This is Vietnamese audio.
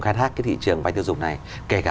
khai thác cái thị trường vay tiêu dùng này kể cả